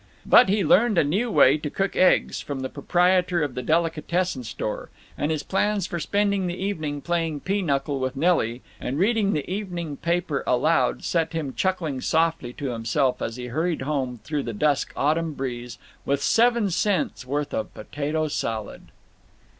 But he learned a new way to cook eggs from the proprietor of the delicatessen store; and his plans for spending the evening playing pinochle with Nelly, and reading the evening paper aloud, set him chuckling softly to himself as he hurried home through the brisk autumn breeze with seven cents' worth of potato salad.